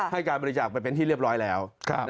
ให้การบริจาคไปเป็นที่เรียบร้อยแล้ว